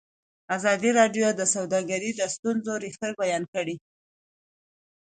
ازادي راډیو د سوداګري د ستونزو رېښه بیان کړې.